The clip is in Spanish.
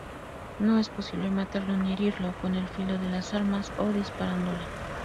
No es posible matarlo ni herirlo con el filo de las armas o disparándole.